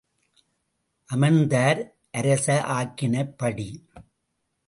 அமர்ந்தார், அரச ஆக்கினைப்படி.